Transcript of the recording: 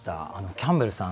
キャンベルさん